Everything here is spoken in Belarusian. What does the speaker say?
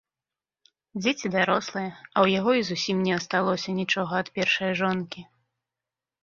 Дзеці дарослыя, а ў яго і зусім не асталося нічога ад першае жонкі.